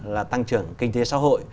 là tăng trưởng kinh tế xã hội